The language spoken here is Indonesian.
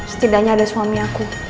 setidaknya ada suami aku